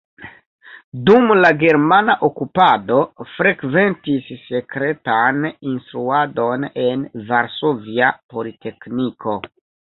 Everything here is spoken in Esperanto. Dum la germana okupado frekventis sekretan instruadon en Varsovia Politekniko.